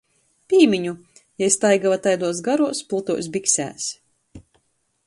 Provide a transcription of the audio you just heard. Pīmiņu, jei staiguoja taiduos garuos, plotuos biksēs.